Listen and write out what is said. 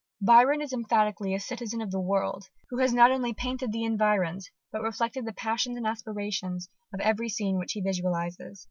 Byron is emphatically a citizen of the world, who has "not only painted the environs, but reflected the passions and aspirations of every scene which he visualizes."